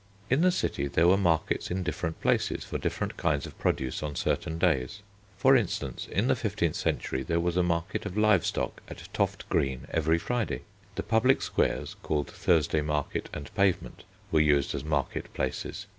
In the city there were markets in different places for different kinds of produce on certain days. For instance, in the fifteenth century there was a market of live stock at Toft Green every Friday. The public squares, called Thursday Market and Pavement, were used as market places.